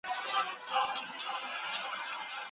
ږغ د پاولیو شرنګ د بنګړیو